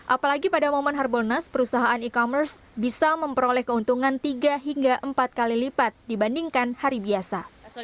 apalagi pada momen harbolnas perusahaan e commerce bisa memperoleh keuntungan tiga hingga empat kali lipat dibandingkan hari biasa